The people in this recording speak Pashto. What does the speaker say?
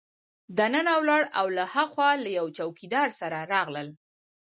دننه ولاړل او له هاخوا له یوه چوکیدار سره راغلل.